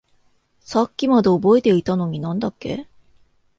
さっきまで覚えていたのに何だっけ？